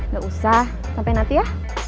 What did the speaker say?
gak usah sampai nanti ya